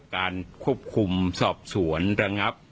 การควบคุมสอบสวนระงับ